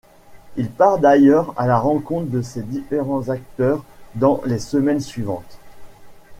Il part d'ailleurs à la rencontre de ces différents acteurs dans les semaines suivantes.